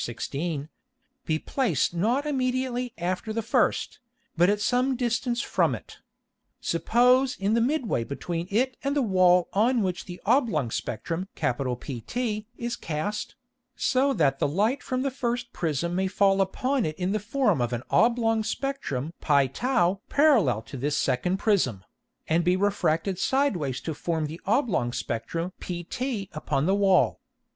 _ 16.] be placed not immediately after the first, but at some distance from it; suppose in the mid way between it and the Wall on which the oblong Spectrum PT is cast, so that the Light from the first Prism may fall upon it in the form of an oblong Spectrum [Greek: pt] parallel to this second Prism, and be refracted sideways to form the oblong Spectrum pt upon the Wall.